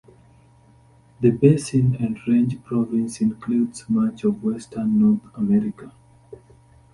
The Basin and Range Province includes much of western North America.